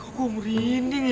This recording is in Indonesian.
kok kamu rinding ya